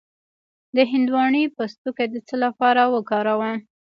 د هندواڼې پوستکی د څه لپاره وکاروم؟